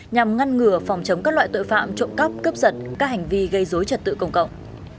nhằm ngăn ngừa phòng chống các loại tội phạm trộm cắp cướp giật các hành vi gây dối trật tự công cộng